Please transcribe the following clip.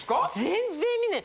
全然見ない。